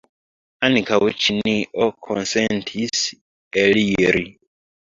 Ankaŭ Ĉinio konsentis eliri.